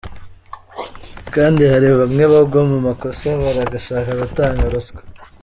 Kandi hari bamwe bagwa mu makosa bagashaka gutanga ruswa.